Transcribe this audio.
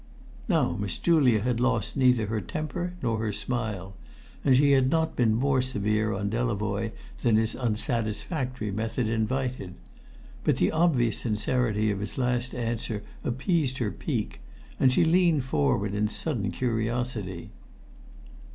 Now Miss Julia had lost neither her temper nor her smile, and she had not been more severe on Delavoye than his unsatisfactory manner invited. But the obvious sincerity of his last answer appeased her pique, and she leant forward in sudden curiosity.